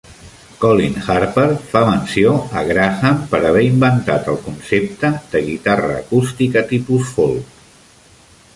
Colin Harper fa menció a Graham per haver inventat el concepte de guitarra acústica tipus folk.